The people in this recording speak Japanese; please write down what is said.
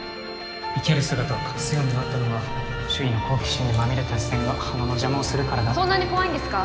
生ける姿を隠すようになったのは周囲の好奇心にまみれた視線が花の邪魔をするからだってそんなに怖いんですか？